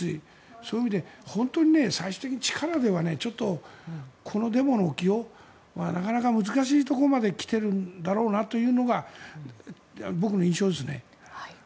そういう意味で本当に最終的に力ではちょっとこのデモの起きようはなかなか難しいところまで来ているだろうなというのが僕の印象ですね。